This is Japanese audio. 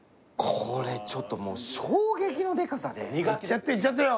これちょっともう衝撃のデカさでいっちゃっていっちゃってよ